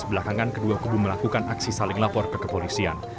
belakangan kedua kubu melakukan aksi saling lapor ke kepolisian